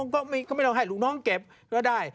ก็ไม่ต้องให้ลูกน้องเก็บก็ได้